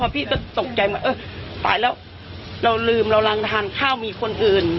พี่ก็ตกใจว่าเออตายแล้วเราลืมเรารังทานข้าวมีคนอื่น